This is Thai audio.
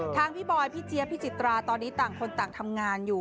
พี่บอยพี่เจี๊ยบพี่จิตราตอนนี้ต่างคนต่างทำงานอยู่